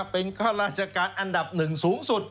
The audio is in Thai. เป็นข้าราชการอันดับหนึ่งสูงสุด